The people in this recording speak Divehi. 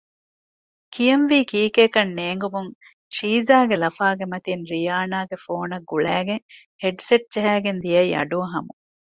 ކިޔަންވީ ކީކޭ ކަން ނޭނގުމުން ޝީޒާގެ ލަފާގެ މަތިން ރިޔާނާގެ ފޯނަށް ގުޅައިގެން ހެޑްސެޓް ޖަހައިގެން ދިޔައީ އަޑުއަހަމުން